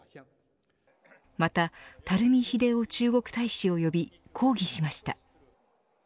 また、垂秀夫中国大使を呼び抗議しました。